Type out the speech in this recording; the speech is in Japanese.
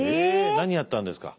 何やったんですか？